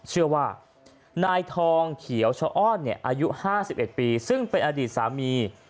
เชื่อว่านายทองเขียวชะอ้อนเนี่ยอายุห้าสิบเอ็ดปีซึ่งเป็นอดีตสามี